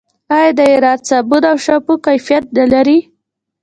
آیا د ایران صابون او شامپو کیفیت نلري؟